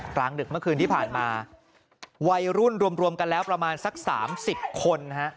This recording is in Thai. กลางดึกเมื่อคืนที่ผ่านมาวัยรุ่นรวมกันแล้วประมาณสัก๓๐คนฮะ